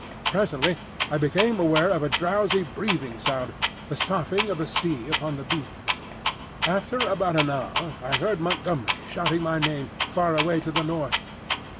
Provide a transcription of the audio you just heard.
Presently I became aware of a drowsy breathing sound, the soughing of the sea upon the beach. After about an hour I heard Montgomery shouting my name, far away to the north.